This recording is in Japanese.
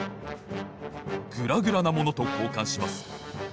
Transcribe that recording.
グラグラなものとこうかんします。